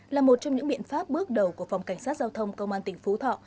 là một trong những biện pháp bước đầu của phòng cảnh sát giao thông công an tỉnh phú thọ